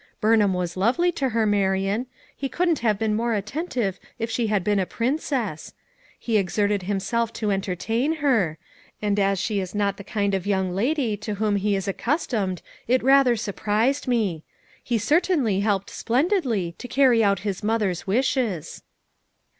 Burnham was lovely to her, Marian; he couldn't have been more attentive if she had heen a princess. He exerted himself to entertain her; and as she is not the kind of young lady to whom he is accustomed it rather FOUR MOTHERS AT CHAUTAUQUA 165 surprised me. He certainly helped splendidly to carry out his mother's wishes."